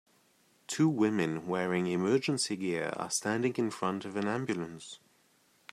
Two women wearing emergency gear are standing in front of an ambulance.